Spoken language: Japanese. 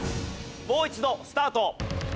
もう一度スタート。